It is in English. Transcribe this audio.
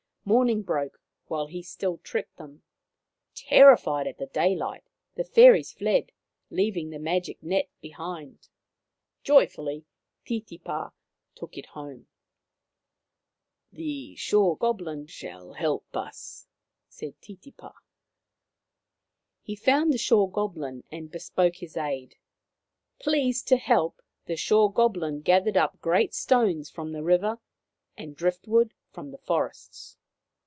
Morning broke while he still tricked them. Terrified at the daylight, the fairies fled, leaving the magic net behind. Joyfully Titipa took it home. " The Shore Goblin shall help us," said Titipa. He found the Shore Goblin and bespoke his aid. Pleased to help, the Shore Goblin gathered up great stones from the river and driftwood from the forests.